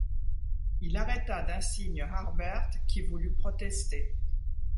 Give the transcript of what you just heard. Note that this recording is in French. Il arrêta d’un signe Harbert, qui voulut protester.